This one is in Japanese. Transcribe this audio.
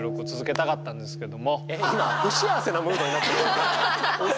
今不幸せなムードになってるの？